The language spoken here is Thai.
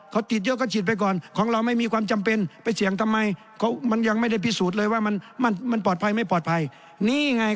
เขาติดเยอะก็ฉีดไปก่อนของเราไม่มีความจำเป็น